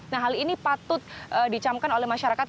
nah hal ini patut dicamkan oleh masyarakat